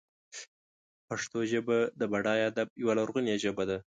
پښتو ژبه د بډای ادب یوه لرغونې ژبه ده.